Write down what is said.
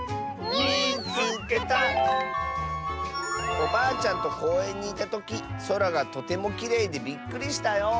「おばあちゃんとこうえんにいたときそらがとてもきれいでびっくりしたよ！」。